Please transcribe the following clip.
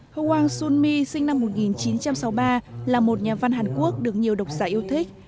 hoàng xuân my sinh năm một nghìn chín trăm sáu mươi ba là một nhà văn hàn quốc được nhiều độc sản yêu thích